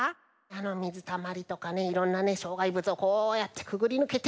みずたまりとかねいろんなしょうがいぶつをこうやってくぐりぬけて。